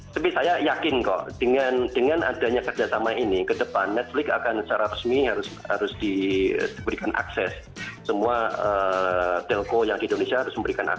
tapi saya yakin kok dengan adanya kerjasama ini ke depan netflix akan secara resmi harus diberikan akses semua telkom yang di indonesia harus memberikan akses